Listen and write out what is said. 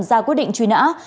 ra quyết định truy nã